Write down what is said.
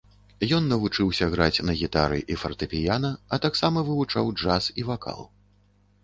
Ён навучыўся граць на гітары і фартэпіяна, а таксама вывучаў джаз і вакал.